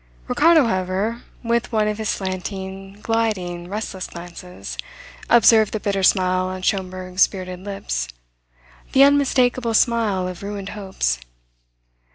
Ricardo, however, with one of his slanting, gliding, restless glances, observed the bitter smile on Schomberg's bearded lips the unmistakable smile of ruined hopes.